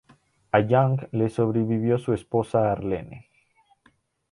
A Young le sobrevivió su esposa Arlene.